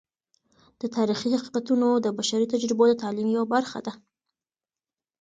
د تاریخی حقیقتونه د بشري تجربو د تعلیم یوه برخه ده.